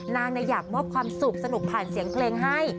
นางอยากมอบความสุขสนุกผ่านเสียงเพลงให้